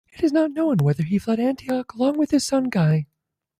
It is not known whether he fled Antioch along with his son Guy.